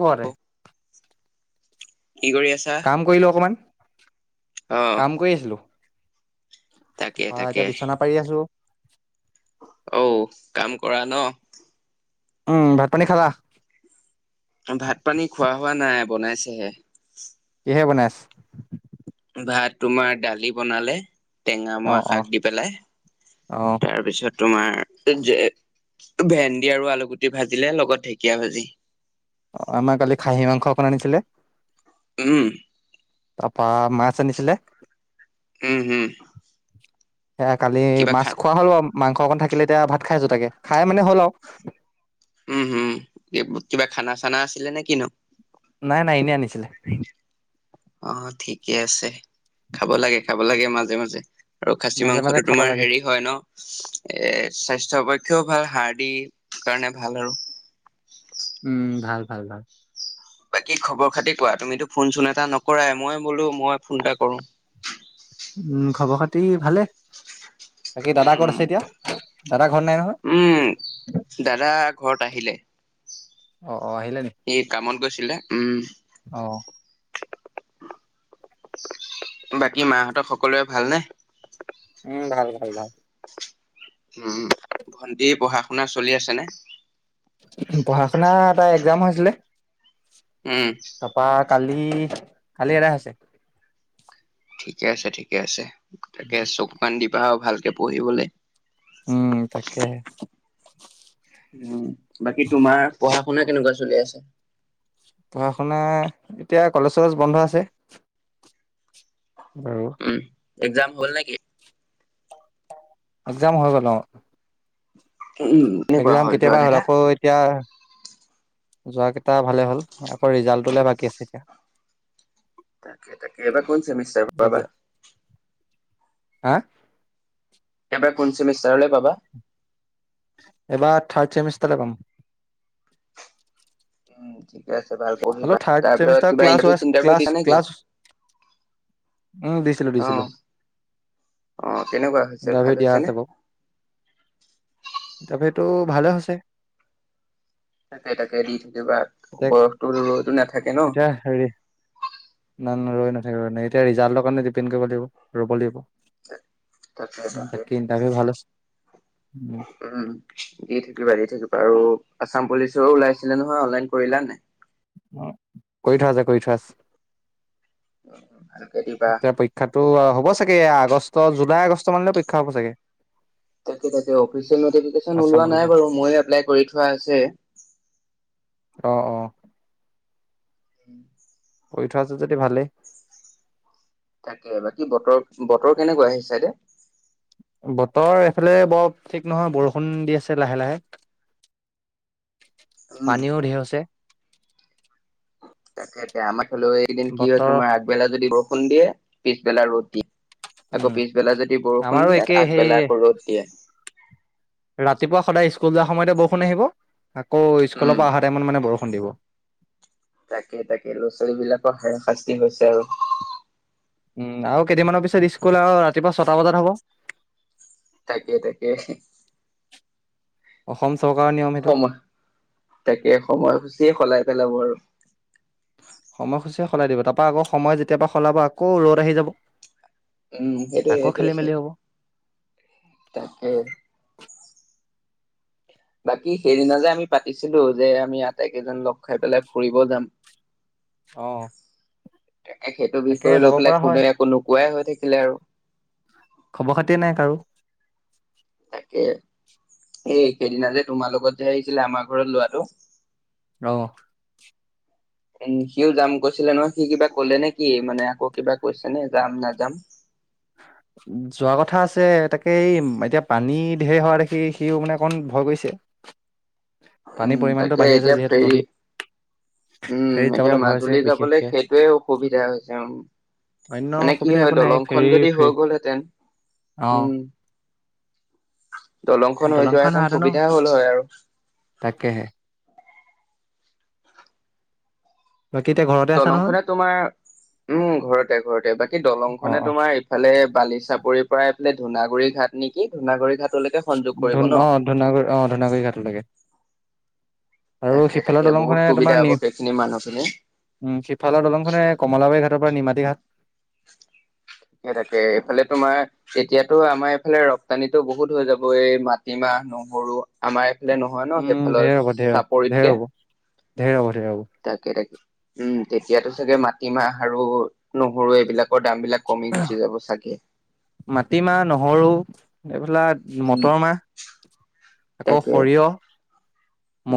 ঘৰতে, কি কৰি আছা? কাম কৰিলো অকমান। অ', কাম কৰি আছিলো। তাকে তাকে এতিয়া বিচনাত। পাৰি আছো। অ, কাম কৰা ন। উম। ভাত পানী খালা? ভাত পানী খোৱা হোৱা নাই, বনাইছেহে। কিহে বনাইছে? ভাত তোমাৰ, দালি বনালে। টেঙা অ মৰা অ শাক দি পেলাই, অ তাৰপিছত তোমাৰ এ ভেন্দি আৰু আলু গুটি ভাজিলে লগত ঢেকিয়ীয়া ভাজি। অ আমাৰ কালি খাহী মাংস অকণ আনিছিলে। উম। তাৰ পৰা মাছ আনিছিলে। উম হুম। আ কালি মাছ খা খোৱা হ'ল বাৰু, মাংস অকণ থাকিলে এতিয়া, ভাত খাই আছো তাকে খাই মানে হ'ল আৰু। উম হম, কিবা খানা চানা আছিলে নে কিনো? নাই নাই, এনেই আনিছিলে। অ ঠিকে আছে, খাব লাগে খাব লাগে মাজে মাজে। আৰু খাচী মাজে মাজে মাংসটো খাব তোমাৰ লাগে হেৰি হয় ন। এই স্বাস্থ্য পক্ষেও ভাল হাড়ৰ কাৰণেও ভাল আৰু। উম ভাল ভাল ভাল। বাকী খবৰ খাতি কোৱা, তুমিতো ফোন চোন এটা নকৰাই মই বোলো মই ফোন এটা কৰো। উম, খবৰ খাতি ভালে। বাকী দাদা ক'ত উম আছে এতিয়া? দাদা ঘৰত নাই নহয়। দাদা ঘৰত আহিলে। অ অ আহিলে নি? এই কামত গৈছিলে। উম। অ বাকী মাহঁতৰ সকলোৰে ভাল নে? উম ভাল ভাল ভাল। উম ভন্টি পঢ়া শুনা চলি আছে নে? পঢ়া শুনা তাইৰ এক্সাম হৈছিলে। উম তাপা কালি কালি এদায় হৈছে। ঠিকে আছে ঠিকে আছে তাকে চকু কাণ দিবা আৰু ভালকে পঢ়িবলে। উম তাকেহে। উম বাকী তোমাৰ পঢ়া শুনা কেনেকুৱা চলি আছে? পঢ়া শুনা এতিয়া কলেজ কলেজ বন্ধ আছে। অ উম এক্সাম হ'ল নেকি? এক্সাম হৈ গ'ল অ। উম কেনেকুৱা এক্সাম যোৱা কেতিয়াবাই হ'ল কেইটা আকৌ এতিয়া, যোৱা কেইটা ভালে হ'ল, আকৌ ৰিজাল্টটোলে বাকী আছে এতিয়া। তাকে তাকে এইবাৰ কোন চেমিষ্টাৰ পাবা? ৰিজাল্ট হা? এইবাৰ কোন চেমিষ্টাৰলৈ পাবা? এবাৰ থাৰ্ড চেমিষ্টলে পাম। উম ঠিকে আছে ভাল হেল্ল' পঢ়িবা থাৰ্ড তাৰপিছত ছেমিষ্টাৰ কিবা ক্লাছ ইণ্টাৰভিউ হৈ আছ চিন্টাৰভিউ ক্লাছ দিছা নেকি? ক্লাছ উম দিছিলো অ দিছিলো। অ কেনেকুৱা হৈছে ইণ্টাৰভিউ ভাল দিয়া হৈছে আছে নে? তাপে টো ভালে হৈছে। তাকে তাকে দি থাকিবা এতিয়া বয়সতো ৰৈতো নাথাকে ন। এতিয়া হেৰি, নাই ন ৰৈ নাথাকে ন এতিয়া ৰিজাল্টৰ কাৰণে ডিপেণ্ড কৰিব লাগিব ৰ'ব লাগিব। তাকে ইণ্টাৰভিউ ভাল হৈছে। উম দি থাকিবা দি থাকিবা আৰু আছাম পুলিচৰ ওলাইছিলে নহয় অনলাইন কৰিলা নে নাই? অ কৰি থোৱা আছে কৰি থোৱা আছে। [unintelligible] এতিয়া পৰীক্ষাতো হ'ব চাগে এ আগষ্ট জুলাই, আগষ্ট মানলৈ পৰীক্ষা হ'ব চাগে। তাকে তাকে অফিচিয়েল নটিফিকেশচন আছাম ওলোৱা নাই পুলিচৰ বাৰু মই এপ্লাই কৰি থোৱা আছে। অ অ। [inaudible] কৰি থোৱা আছে যদি ভালেই। তাকে বাকী বতৰ বতৰ কেনেকুৱা হেই চাইডে? বতৰ এইফালে বৰ ঠিক নহয় বৰষুণ দি আছে লাহে লাহে। [inaudible] উম পানীও ধেৰ হৈছে। তাকে আমাৰ হলেও একিদিন কি হৈছে বতৰ তোমাৰ আগবেলা যদি বৰষুন দিয়ে পিছবেলা ৰদ দিয়ে। উম আকৌ পিছবেলা যদি বৰষুণ আমাৰো দিয়ে একে সেই আগবেলা আকৌ ৰ'দ দিয়ে। ৰাতিপুৱা সদায় স্কুল যোৱাৰ সময়তে বৰষুণ আহিব আকৌ উম। স্কুলৰ পৰা অহা টাইমত মানে বৰষুণ দিব। তাকে তাকে ল'ৰা ছোৱালী বিলাকৰ হে শাস্তি হৈছে আৰু। উম আৰু কেইদিনমানৰ পিছত স্কুল আৰু ৰাতিপুৱা ছটা বজাত হ'ব। তাকে তাকে। অসম চৰকাৰৰ নিয়ম সেইটো। তাকেই সময়সূচীয়ে সলাই পেলাব আৰু। সময়সূচীয়ে সলাই দিব তাৰপৰা আকৌ সময় যেতিয়াৰ পৰা সলাব আকৌ ৰ'দ আহি যাব। উম আকৌ খেলি সেইটোৱে মেলি সেইটোৱে। হ'ব তাকেই। বাকী সেইদিনা যে আমি পাতিছিলো যে আমি আটাইকেইজন লগ খাই পেলাই ফুৰিব যাম। [inaudible] অ। তাকেই সেইটো তাকে বিষয় লৈ যাব পেলাই পৰা হয় কোনেও একো নোকোৱাই হৈ থাকিলে আৰু। খবৰ খাতিয়ে নাই কাৰো। তাকে, এই সেইদনা যে তোমাৰ লগত যে আহিছিলে আমাৰ ঘৰত ল'ৰাটো। অ। উম সিও যাম কৈছিলে নহয় সি কিবা কলে নেকি মানে আকৌ কিবা কৈছে নে যাম নাযাম? [unintelligible] যোৱা কথা আছে তাকে এই এতিয়া পানী ঢেৰ হোৱা দেখি সিও মানে অকণমান ভয় কৰিছে। পানীৰ পৰিমাণটো তাকে বাঢ়ি আছে এতিয়া যিহেতু ফেৰী নদীত উম ফেৰীত এতিয়া যাবলৈ ভয় আছে মাজুলী যাবলৈ বিশেষকে সেইটোয়ে অসুবিধা হৈছে। অন্য অসুবিধা একো নাই। খন ফেৰী যদি ফে হৈ গ'লহেঁতেন অ উম। দলংখন হৈ যোৱা হেতেন সুবিধা হ'ল হয় আৰু। তাকেহে। বাকী এতিয়া ঘৰতে আছা দলং নহয় খনে তোমাৰ, উম ঘৰতে ঘৰতে বাকী দলং অ খনে অ তোমাৰ ইফালে বালিচাপৰিৰ পৰা এইফালে ধুনাগুৰি ঘাট নেকি ধুনাগুৰি ঘাট ধুন অ' ধুনাগুৰি আহ ধুনাগুৰি ঘাট লাগে। আৰু তাকে তাকে সিফালৰ বহুত দলংখনে সুবিধা তোমাৰ হ'ব নিম সেইখিনি মানুহখিনি। উম সিফালৰ দলংখনে কলাবাৰী ঘাটৰ পৰা নিমাতী ঘাট। সেই তাকে এইফালে তোমাৰ এতিয়াতো আমাৰ এইফালে ৰপ্তানিতটো বহুত হৈ যাব এই মাটিমাহ, নহৰু আমাৰ এইফালে নহয় ন উম সেইফালৰ ঢেৰ হ'ব ঢেৰ ঢেৰ চাপৰিতকে? হ'ব ঢেৰ হ'ব ঢেৰ হ'ব তাকে তাকে উম তেতিয়াতো চাগে মাটিমাহ আৰু নহৰু এইবিলাকৰ দাম বিলাক কমি গুচি যাব চাগে। মাটিমাহ নহৰু এইবিলাক উম মটৰ মাহ আকৌ তাকে সৰিয়হ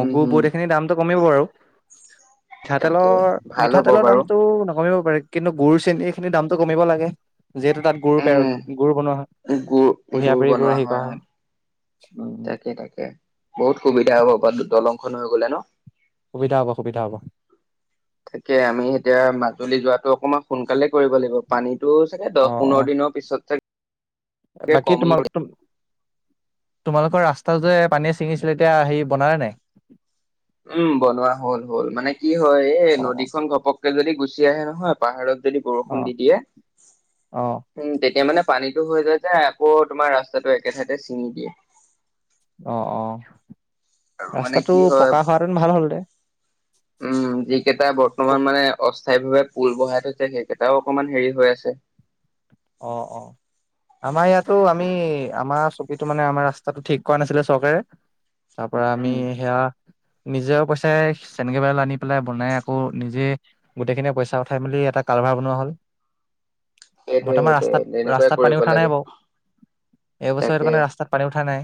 উম হম বুট এইখিনি দামটো কমিব আৰু। তাকে মিঠাতেলৰ ভাল হ'ব মিঠাতেলৰ বাৰু দামতটো নকমিব পাৰে। কিন্তু গুৰ, চেনি এইখিনি দামটো কমিব লাগে যিহেতু তাত গুৰ পে উম গুৰ বনোৱা হয় গুৰ কুঁহিয়াপাৰি গুৰ বনোৱা হেৰি কৰা হয় উম। সেই তাকেই। বহুত সুবিধা হব বা দলংখন হৈ গ'লে ন? সুবিধা হ'ব সুবিধা হ'ব। তাকে আমি এতিয়া মাজুলী যোৱাতটো অকণমান সোনকালে কৰিব লাগিব পানীতটো চাগে অ দহ অ পোন্ধৰ দিনৰত পিছত চাগে বাকী তোমাৰ তোম তোমালোকৰ ৰাস্তাটো যে পানীয়ে ছিঙিছিলে এতিয়া হেৰি বনালে নাই? উম বনোৱা হল হ'ল, মানে কি হয় এই অ নদীখন ঘপককে যদি গুচি আহে নহয়। পাহাৰত যদি বৰষুণ অ দি দিয়ে। অ উম তেতিয়া মানে পানীটো হৈ যায় যে আকৌ তোমাৰ ৰাস্তাটো একে ঠাইতে ছিঙি দিয়ে। অ' অ' আৰু মানে ৰাস্তাটো কি হয় পকা হোৱা হেতেন ভাল হ'ল হেতে উম, যিকেইটা বৰ্তমান মানে অস্থায়ীভাৱে পুল বহাই থৈছে সেইকেইটাও অকমান হেৰি হৈ আছে। অ' অ'। আমাৰ ইয়াতো আমি, আমাৰ চুবুৰীটো মানে আমাৰ ৰাস্তাটো ঠিক কৰা নাছিলে চৰকাৰে। তাৰ পৰা আমি উম সেয়া নিজৰ পইচাই [unintelligible] আনি পেলাই বনাই আকৌ নিজে গোটেইখিনিয়ে পইচা উঠাই মেলি এটা কালভাৰ বনোৱা হ'ল। সেইটোয়ে বৰ্তমান সেইটোয়ে ৰাস্তাত তেনেকুৱাই ৰাস্তাত পানী কৰিব উঠা নাই লাগে বাওঁ, এইবছৰ সেইটো তাকে কাৰণে ৰাস্তাত পানী উঠা নাই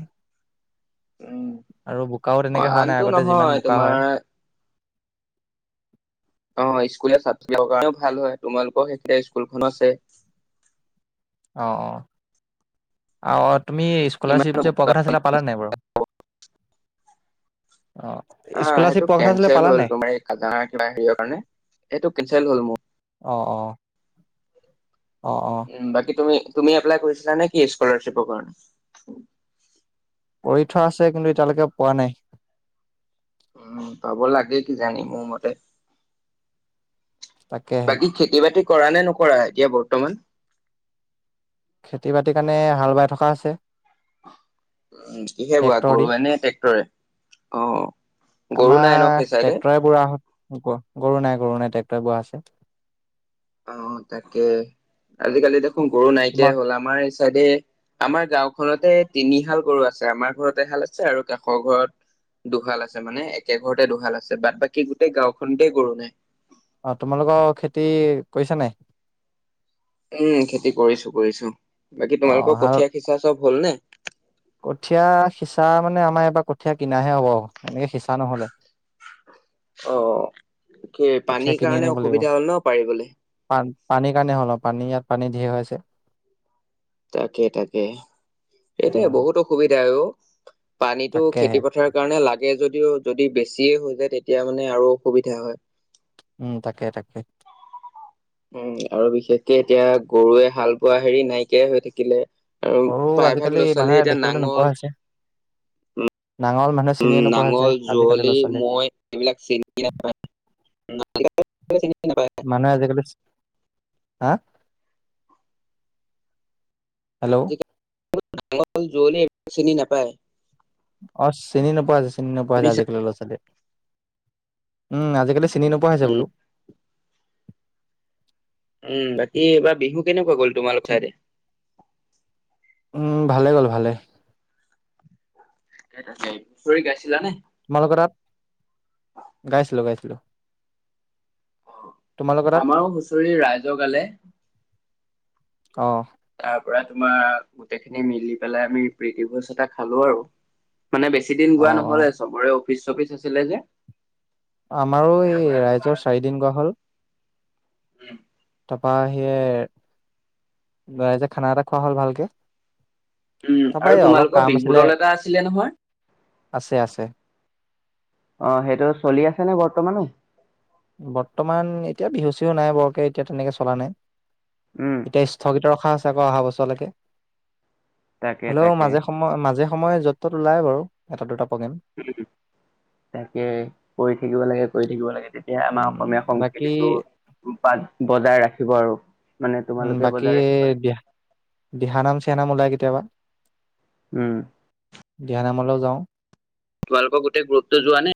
উম আৰু বোকাও অ তেনেকৈ হোৱা আনটো নাই, আগতে নহয় যিমান বোকা তোমাৰ হয়। অ' স্কুলীয়া ছাত্ৰীসকলৰ কাৰণেও ভাল হয় তোমালোকৰ সেই স্কুলখন আছে। অ' অ'। অ' তুমি স্কলাৰশ্বিপ যে কিমান পোৱা কথা আছিলা পালা নাই বাৰু? অ অ' স্কলাৰশ্বিপ সেইটো পোৱা কথা আছিলে কেনচেল পালা হ'ল নাই তোমাৰ এই খাজানা কিবা হেৰিয়ৰ কাৰণে সেইটো কেনচেল হ'ল মোৰ। অ' অ'। অ' অ'। উম, বাকী তুমি তুমি এপ্লাই কৰিছিলা নেকি স্কলাৰশ্বিপৰ কাৰণে? কৰি থোৱা আছে, কিন্তু এতিয়ালৈকে পোৱা নাই। উম পাব লাগে কি জানি মোৰ মতে। তাকেহে! খেতি-বাতি কৰা নে নকৰা এতিয়া বৰ্তমান? খেতি-বাতিৰ কাৰণে হাল বাই থকা আছে। উম কিহে বোৱা ট্ৰেক্টৰ দি গৰুৱে নে ট্ৰেক্টৰে, অ' গৰু আমাৰ নাই ন সেই চাইডে? [unintelligible] গৰু নাই গৰু নাই ট্ৰেক্টৰে বোৱা আছে। অ' তাকে, আজিকালি দেখোন গৰু নাইকিয়া তোমাৰ হ'ল। আমাৰ এই চাইডে আমাৰ গাওঁখনতে তিনিহাল গৰু আছে, আমাৰ ঘৰত এহাল আছে আৰু কাষৰ ঘৰত দুহাল আছে, মানে একে ঘৰতে দুহাল আছে বাট বাকী গোটেই গাঁওখনতে গৰু নাই। অ' তোমালোকৰ খেতি কৰিছা নাই? উম, খেতি কৰিছো কৰিছো। বাকী অ তোমালোকৰ হাল কঠীয়া সিচা চব হল নে? কঠীয়া সিঁচা মানে আমাৰ এবাৰ কঠীয়া কিনাহে হব এনেকে সিঁচা নহলে। অ' কি কঠীয়া পানীৰ কিনি কাৰণে আনিব লাগিব অসুবিধা হ'ল ন পাৰিবলে? পা পানীৰ কাৰণে হ'ল অ', পানী ইয়াত পানী ঢেইৰ হৈ আছে। তাকে তাকে সেইটোৱে উম। বহুত অসুবিধা হৈ অ' পানীতো তাকেহে খেতি-পথাৰ কাৰণে লাগে যদিও যদি বেছিয়ে হৈ যায়, তেতিয়া মানে আৰু অসুবিধা হয়। উম তাকে তাকে! উম, আৰু বিশেষকে এতিয়া গৰুৱে হাল বোৱা হেৰি নাইকিয়াই হৈ থাকিলে। আৰু সৰু প্ৰায়ভাগ আজিকালি মানুহে ল'-ছোৱালীয়ে এতিয়া দেখিবলৈ নোপোৱা নাঙল, হৈছে। নাঙল মানে উম নাঙল, যুঁৱলি, মৈ এইবিলাক চিনি নাপায়। [inaudible] চিনি নাপায়। মানুহে আজিকালি, হা'? হেল্ল'! [unintelligible] নাঙল, যুঁৱলি সেইবোৰ চিনি নাপায়। অ' চিনি নোপোৱা [unintelligible] চিনি নোপোৱা [unintelligible] শুনিছা আজিকালি ল' ছালীয়ে। উ আজিকালি চিনি নোপোৱা হৈছে উম বোলো। উ বাকী এইবাৰ বিহু কেনেকুৱা গ'ল তোমালোক চাইদে। উ ভালে গ'ল ভালে। [unintelligible] হুঁচৰি গাইছিলা নে? মালোক তাত। গাইছিলোঁ, গাইছিলোঁ। তোমালোকৰ তাত আমাৰো হুঁচৰি ৰাইজ গালে। অ'। তাৰ পৰা তোমাৰ গোটেইখিনি মিলি পেলাই আমি প্ৰীতি ভোজ এটা খালোঁ আৰু। মানে বেছি দিন অ গোৱা অ নহ'লে, চবৰে অফিচ চফিচ আছিলে যে। আমাৰো তাৰ এই পৰা ৰাইজৰ চাৰিদিন গোৱা হ'ল। উ। তাপা হিয়েৰ, ৰাইজে খানা এটা খোৱা হ'ল ভালকে। উ তাৰপৰা আৰু এই অলপ তোমালোকৰ কাম বিহু আছিলে দল এটা আছিলে নহয়। আছে আছে। অ' হেটো চলি আছে নে বৰ্তমানো? বৰ্তমান এতিয়া বিহু চিহু নাই বাওকে এতিয়া তেনেকে চলা নাই। উ। এতিয়া স্থগিত ৰখা আছে আকৌ অহা বছৰলেকে, তাকে হ'লেও তাকে মাজে সময়, মাজে সময় য'ত ত'ত ওলায় বাৰু এটা দুটা প্ৰগেম। তাকে কৰি থাকিব লাগে, কৰি থাকিব লাগে তে তিয়া আমাৰ উম অসমীয়া বাকী সংস্কৃতিটো বা, বজাই ৰাখিব আৰু। মানে উ তোমালোকে বাকী বজাই ৰাখিব লাগিব। দিয়া, দিহানাম চিহানাম ওলাই কেতিয়াবা। উ। দিয়ানামলৈ যাওঁ। তোমালোকৰ গোটেই গ্ৰুপটো যোৱা নে?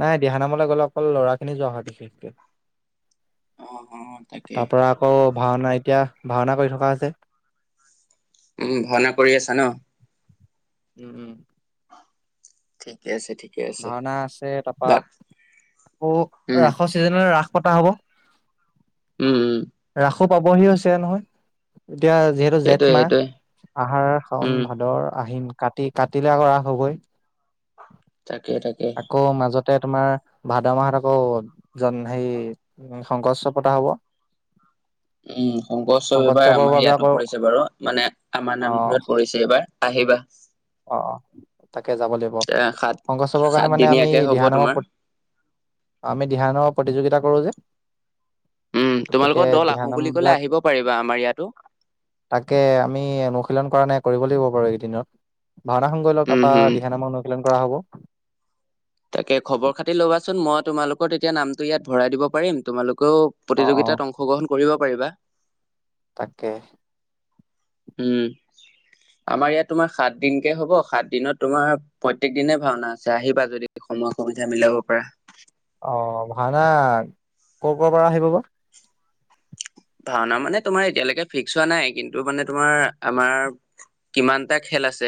নাই দিহা নামলে গ'লে অকল ল'ৰাখিনি যোৱা হয় বিশেষকে। অ', অ', তাকে তাৰ পৰা আকৌ ভাওনা এতিয়া ভাওনা কৰি থকা হৈছে। উম ভাওনা কৰি আছা ন? উ উ। ঠিকে আছে ঠিক ভাওনা আছে তাপা, কৌ উম, ৰাসৰ চিজন ৰাস পাতা হ'ব। উ উ। ৰাসো পাবহি হৈছে নহয়, এতিয়া যিহে টো জেঠ সেইটোৱে মাহ, সেইটোৱে আহাৰ, খাওন, উম, ভাদৰ, আহিন কাতি, কাতিলে আকৌ ৰাস হ'বই। তাকে তাকে। আকৌ মাজত তে তোমাৰ ভাদ মাহত আকৌ জন হেই শংক উৎসৱ পতা হ'ব। উ শংক উৎসৱ এইবাৰ শংকৰোৎসৱৰ আমাৰ বাবে ইয়াতো আকৌ পৰিছে বাৰু মানে আমাৰ নামঘৰত আহ পৰিছে এইবাৰ। আহিবা। অ', অ' তাকে যাব লাগিব, এ সাত শংকোসৱ কাৰণে মানে আমি সাতদিনীয়াকে হ'ব দিহানামৰ তোমাৰ প অ' আমি দিহানামৰ প্ৰতিযোগিতা কৰোঁ যে। উ গতিকে তোমালোকৰ দল আহোঁ দিহানাম বুলি ক'লে বিলাক আহিব পাৰিবা আমাৰ ইয়াতো। তাকে আমি অনুশীলন কৰা নাই, কৰিব লাগিব বাৰু এইদিনত। ভাওনাখন কৰি লওঁ উম, তাপা হুম। দিহানামৰ অনুশীলন কৰা হ'ব। তাকে খবৰ খাতি ল'বাচোন মই তোমালোকৰ তেতিয়া নামটো ইয়াত ভৰাই দিব পাৰিম। তোমালোকেও অ অ প্ৰতিযোগিতাত অংশগ্ৰহণ কৰিব পাৰিবা। তাকে। উম, আমাৰ ইয়াত তোমাৰ সাত দিনকে হ'ব, সাত দিনত তোমাৰ প্ৰত্যেক দিনে ভাওনা আছে, আহিবা যদি সময় সুবিধা মিলাব পাৰা। অ' ভাওনা, কৰ কৰ পৰা আহিব বা? ভাওনা মানে তোমাৰ এতিয়ালেকে ফিক্স হোৱা নাই, কিন্তু মানে তোমাৰ আমাৰ কিমানটা খেল আছে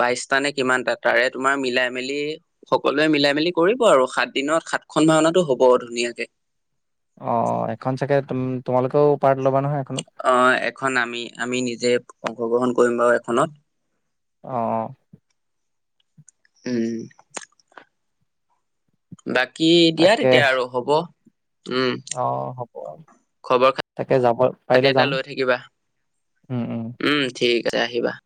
বাইশটা নে, কিমানটা তাৰে তোমাৰ মিলাই মেলি সকলোৱে মিলাই মিলি কৰিব আৰু, সাত দিনত সাতখন ভাওনাটো হ'ব ধুনীয়াকে। অ' অ' এখন চাগে তোম তোমালোকেও পাৰ্ট ল'বা নহয় এখনত? অ' এখন আমি, আমি নিজে অংশগ্ৰহণ কৰিম বাৰু এখনত। অ' অ'। উম। বাকী দিয়া তাকে তেতিয়া আৰু হ'ব। উম অ হ'ব, খবৰ তাকে যাব খাতি পাৰিলে এটা যাম। লৈ থাকিবা উম' উম'। ঠিক আছে আহিবা।